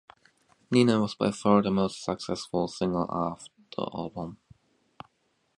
"Nena" was by far the most successful single off the album.